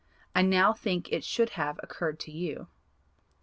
I now think it should have occurred to you.